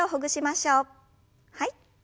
はい。